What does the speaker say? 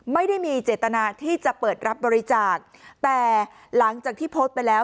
ไม่ได้มีเจตนาที่จะเปิดรับบริจาคแต่หลังจากที่โพสต์ไปแล้ว